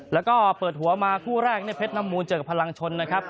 แล้วก็เปิดหัวมาคู่แรกเนี่ยเพชรน้ำมูลเจอกับพลังชนนะครับ